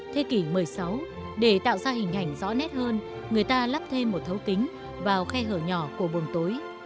thế kỷ một mươi sáu để tạo ra hình ảnh rõ nét hơn người ta lắp thêm một thấu kính vào khe hở nhỏ của buồn tối